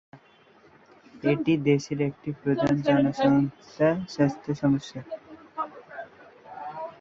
এটি দেশের একটি প্রধান জনস্বাস্থ্য সমস্যা।